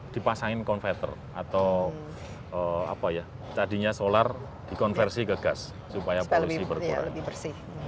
dipasangin konverter atau tadinya solar dikonversi ke gas supaya polusi berkurang